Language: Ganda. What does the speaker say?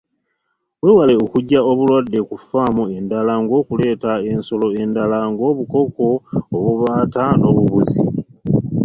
Weewale okuggya obulwadde ku faamu endala ng’okuleeta ensolo endala ng’obukoko, obubaata n’obubizzi.